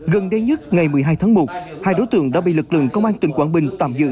gần đây nhất ngày một mươi hai tháng một hai đối tượng đã bị lực lượng công an tỉnh quảng bình tạm giữ